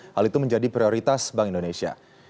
hal itu menjadi prioritas bank indonesia